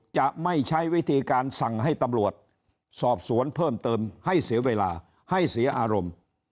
จะไม่ใช้วิธีการสั่งให้ตำรวจสอบสวนเพิ่มเติมให้เสียเวลาให้เสียอารมณ์